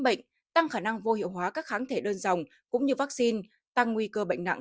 bệnh tăng khả năng vô hiệu hóa các kháng thể đơn dòng cũng như vaccine tăng nguy cơ bệnh nặng